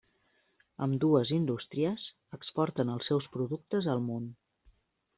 Ambdues indústries exporten els seus productes al món.